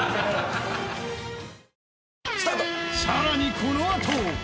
さらにこのあと